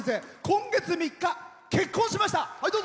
今月３日、結婚しました！